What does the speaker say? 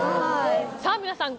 さあ皆さん。